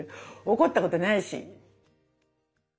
怒ったことないし。